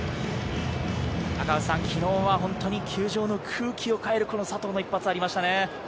昨日は本当に球場の空気を変える佐藤の一発がありましたね。